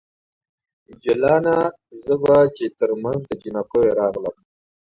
جلانه ! زه به چې ترمنځ د جنکیو راغلم